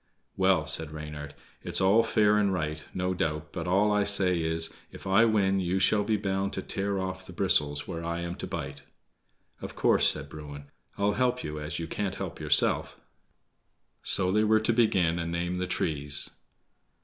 "Well," said Reynard, "it's all fair and right, no doubt, but all I say is, if I win, you shall be bound to tear off the bristles where I am to bite." "Of course," said Bruin, "I'll help you, as you can't help yourself." So they were to begin and name the trees.